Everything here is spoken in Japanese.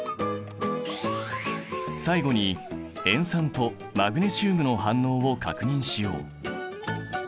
最後に塩酸とマグネシウムの反応を確認しよう。